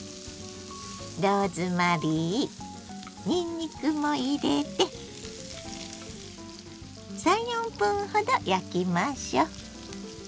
ローズマリーにんにくも入れて３４分ほど焼きましょう。